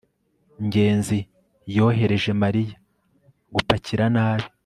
ngenzi yohereje mariya gupakira nabi